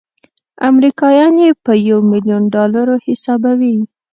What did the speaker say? امریکایان یې په یو میلیون ډالرو حسابوي.